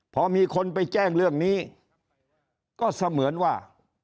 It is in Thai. พอมีคนไปแจ้งเรื่องนี้ก็เสมือนว่า